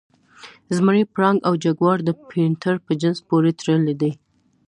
زمری، پړانګ او جګوار د پینتر په جنس پورې تړلي دي.